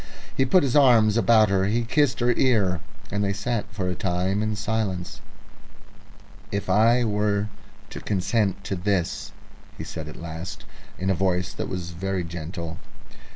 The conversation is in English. He put his arms about her, he kissed her ear, and they sat for a time in silence. "If I were to consent to this?" he said at last, in a voice that was very gentle.